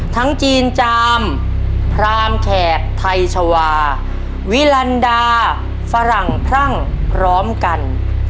จีนจามพรามแขกไทยชาวาวิลันดาฝรั่งพรั่งพร้อมกัน